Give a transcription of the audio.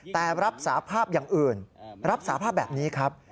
แต่รับสาภาพอย่างอื่นรับสาภาพแบบนี้ครับ